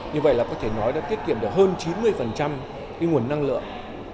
như vậy là có thể nói là tiết kiệm được hơn chín mươi cái nguồn năng lượng